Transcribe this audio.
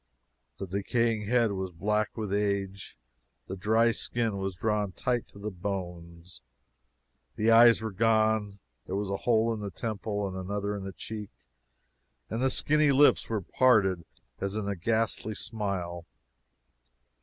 The decaying head was black with age, the dry skin was drawn tight to the bones, the eyes were gone, there was a hole in the temple and another in the cheek, and the skinny lips were parted as in a ghastly smile!